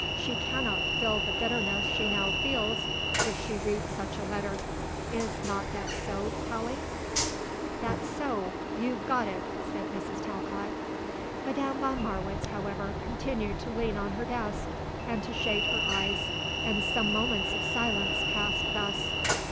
She cannot feel the bitterness she now feels if she reads such a letter; is not that so, Tallie?" "That's so. You've got it," said Mrs. Talcott. Madame von Marwitz, however, continued to lean on her desk and to shade her eyes, and some moments of silence passed thus.